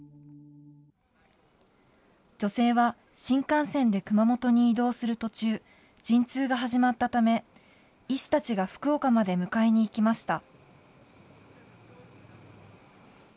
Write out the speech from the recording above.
女性は新幹線で熊本に移動する途中、陣痛が始まったため、医師たちが福岡まで迎えに行きました。